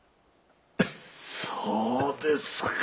そうですか！